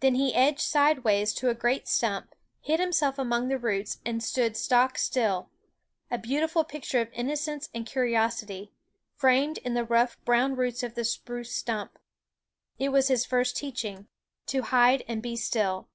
Then he edged sidewise to a great stump, hid himself among the roots, and stood stock still, a beautiful picture of innocence and curiosity, framed in the rough brown roots of the spruce stump. It was his first teaching, to hide and be still.